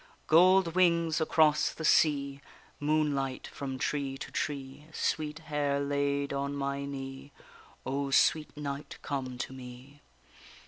Gold wings across the sea! Moonlight from tree to tree, Sweet hair laid on my knee, O, sweet knight, come to me.